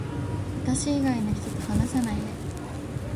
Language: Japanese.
私以外の人と話さないで